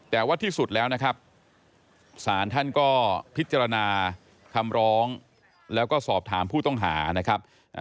แต่ว่าที่สุดแล้วนะครับศาลท่านก็พิจารณาคำร้องแล้วก็สอบถามผู้ต้องหานะครับ